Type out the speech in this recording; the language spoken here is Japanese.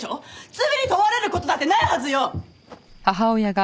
罪に問われる事だってないはずよ！